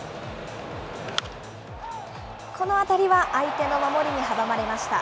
この当たりは相手の守りに阻まれました。